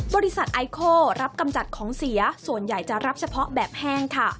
บริษัทไอโคลรับกำจัดของเสียส่วนใหญ่จะรับเฉพาะแบบแห้งค่ะ